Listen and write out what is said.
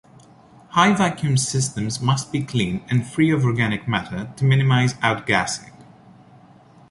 High vacuum systems must be clean and free of organic matter to minimize outgassing.